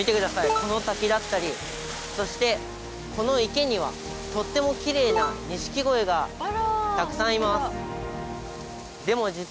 この滝だったりそしてこの池にはとてもきれいな錦鯉がたくさんいます。